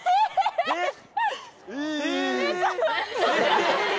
えっ！